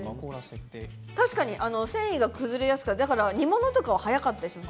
確かに繊維が崩れやすくて煮物が早かったりしますよね。